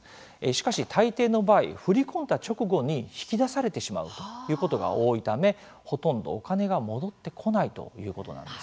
しかし、大抵の場合振り込んだ直後に引き出されてしまうということが多いためほとんどお金が戻ってこないということなんですね。